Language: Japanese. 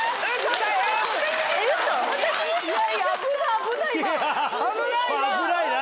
危ないな。